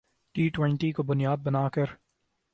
T twenty کو بنیاد بنا کر